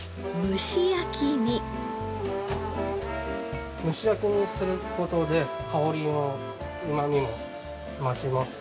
蒸し焼きにする事で香りもうまみも増します。